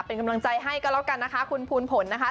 เป็นกำลังใจให้ก็แล้วกันนะคะคุณภูนผลนะคะ